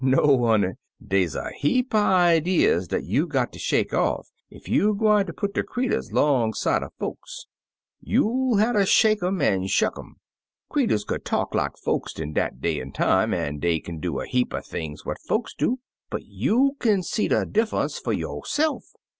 No, honey! Dey's a heap er idees dat you got ter shake off ef you gwineter put de creeturs 'longside er folks; you'll hatter shake um, an' shuck lun. Creeturs could talk like folks in dat day an' time, an' dey kin do a heap er things what folks do; but you kin see de difFunce fer yo'se'f.